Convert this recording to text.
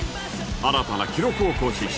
新たな記録を更新した